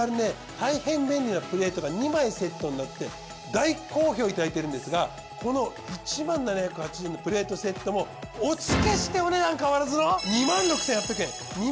たいへん便利なプレートが２枚セットになって大好評いただいてるんですがこの１０，７８０円のプレートセットもお付けしてお値段変わらずの。